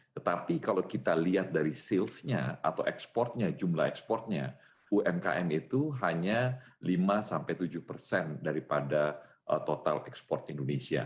tetapi kalau kita lihat dari salesnya atau ekspornya jumlah ekspornya umkm itu hanya lima sampai tujuh persen daripada total ekspor indonesia